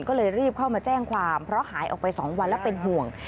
ก็เลยรีบเข้ามาแจ้งความเพราะหายออกไป๒วันแล้วเป็นห่วง